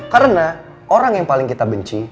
karena orang yang paling kita benci